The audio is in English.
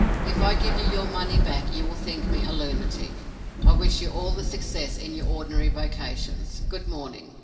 If I give you your money back you will think me a lunatic. I wish you all success in your ordinary vocations! Good morning!"